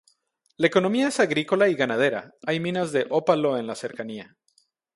La economía es agrícola y ganadera, hay minas de ópalo en le cercanía.